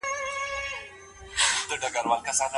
کوچیانو ته ځانګړې پاملرنه کیده.